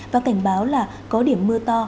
và cảnh báo là có điểm mưa to